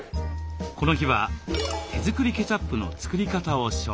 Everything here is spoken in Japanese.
この日は手作りケチャップの作り方を紹介。